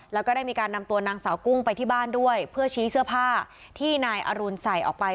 แล้วก็ได้มีการนำตัวนางสาวกุ้งไปที่บ้านด้วยเพื่อชี้เสื้อผ้าที่นายอรุณใส่ออกไป